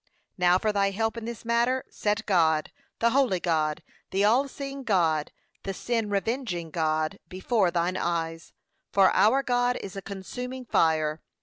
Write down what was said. Now for thy help in this matter, set God, the holy God, the all seeing God, the sin revenging God, before thine eyes; 'for our God is a consuming fire.'